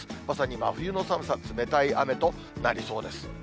まさに真冬の寒さ、冷たい雨となりそうです。